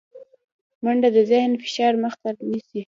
منډه د ذهني فشار مخه نیسي